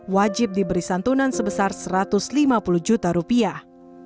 wajib diberi santunan sebesar satu ratus lima puluh juta rupiah